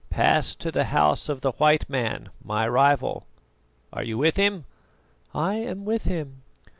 "Pass to the house of the white man, my rival. Are you with him?" "I am with him."